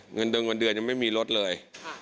เงินเดือนยังไม่มีลดเลย